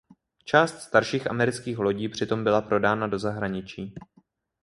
Část starších amerických lodí přitom byla prodána do zahraničí.